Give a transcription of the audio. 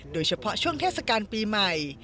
โดยเฉพาะช่วงเทศกาลปีใหม่